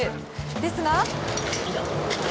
ですが。